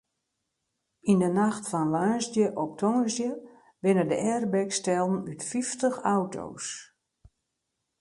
Yn de nacht fan woansdei op tongersdei binne de airbags stellen út fyftich auto's.